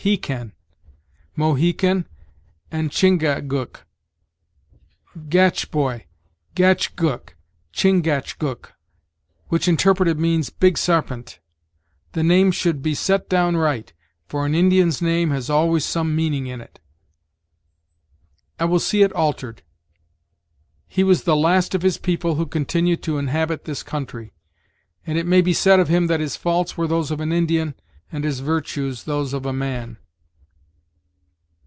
'hecan." "Mohican; and Chingagook " "'Gach, boy; 'gach gook; Chingachgook, which interpreted, means Big sarpent. The name should be set down right, for an Indian's name has always some meaning in it." "I will see it altered. 'He was the last of his people who continued to inhabit this country; and it may be said of him that his faults were those of an Indian, and his virtues those of a man.'"